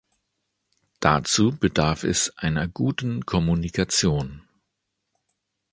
Dazu bedarf es einer guten Kommunikation.